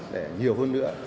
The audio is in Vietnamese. để nhiều hơn nữa